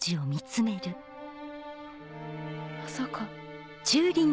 まさか。